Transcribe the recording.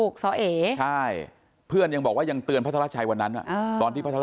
คุณบอกว่ายังเตือนพัฒนาวัชชัยวันนั้นอ่ะ